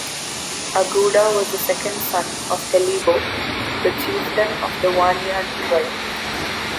Aguda was the second son of Helibo, the chieftain of the Wanyan tribe.